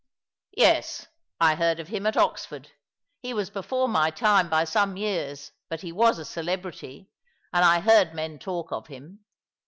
" Yes, I heard of him at Oxford. He was before my time by some years ; but he was a celebrity, and I heard men talk of him.